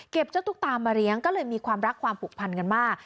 เจ้าตุ๊กตามาเลี้ยงก็เลยมีความรักความผูกพันกันมาก